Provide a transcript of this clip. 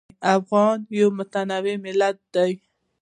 افغانستان یو متنوع ملت دی.